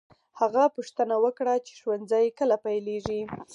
هغه پوښتنه وکړه چې ښوونځی کله پیلېږي.